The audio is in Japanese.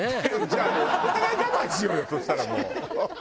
じゃあお互い我慢しようよそしたらもう。